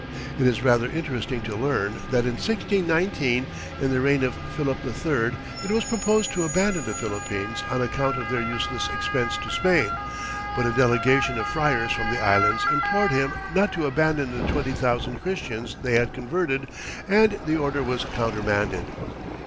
It is rather interesting to learn that in 1619, in the reign of Philip III, it was proposed to abandon the Philippines on account of their useless expense to Spain, but a delegation of friars from the Islands implored him not to abandon the twenty thousand Christians they had converted, and the order was countermanded.